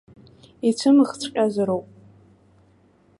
Ицәымӷҵәҟьазароуп.